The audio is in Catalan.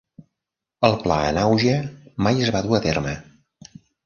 El pla en auge mai es va dur a terme.